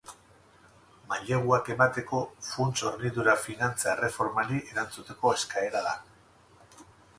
Maileguak emateko funts-hornidura finantza erreformari erantzuteko eskaera da.